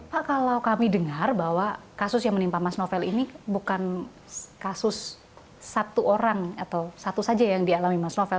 pak kalau kami dengar bahwa kasus yang menimpa mas novel ini bukan kasus satu orang atau satu saja yang dialami mas novel